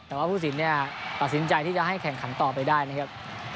แต่ว่าพวกศิลป์เนี่ยตัดสินใจให้แข่งขังต่อไปได้นะครับ